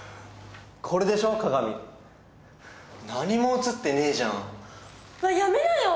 これでしょ鏡何も映ってねえじゃんうわやめなよ